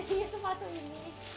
tapi sepatu ini